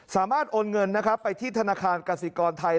สามารถโอนเงินไปที่ธนาคารกสิกรไทย